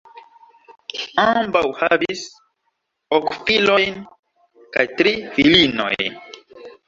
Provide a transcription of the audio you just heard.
Ambaŭ havis ok filojn kaj tri filinojn.